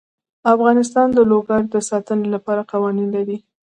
افغانستان د لوگر د ساتنې لپاره قوانین لري.